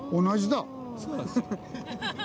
同じだ。